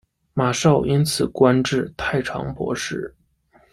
马韶因此官至太常博士。